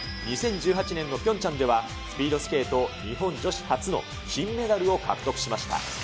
２０１８年のピョンチャンでは、スピードスケート日本女子初の金メダルを獲得しました。